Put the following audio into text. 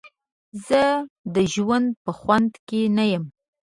زه د ژوند په خوند کې نه یم.